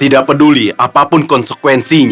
tidak peduli apapun konsekuensinya